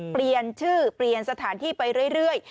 เปลี่ยนชื่อเปลี่ยนสถานที่ไปเรื่อย